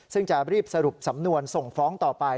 ซึ่งจะรีบสรุปสำนวนส่งฟ้องต่อไป